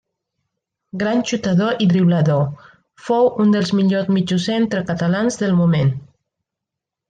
Gran xutador i driblador, fou un dels millors mitjos centre catalans del moment.